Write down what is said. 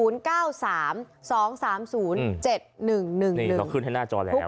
นี่เค้าขึ้นให้หน้าจอแล้ว